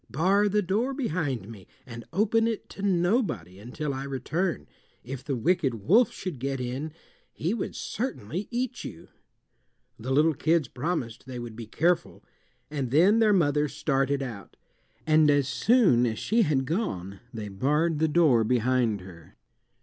Bar the door behind me, and open it to nobody until I return. If the wicked wolf should get in he would certainly eat you." The little kids promised they would be careful, and then their mother started out, and as soon as she had gone they barred the door behind her.